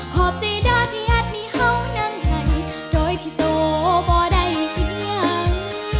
ขอบใจด้านที่อาจมีเฮ้านั่งไหนโดยที่โตบ่ได้เสียง